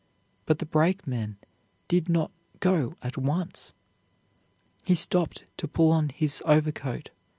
But the brakeman did not go at once. He stopped to put on his overcoat.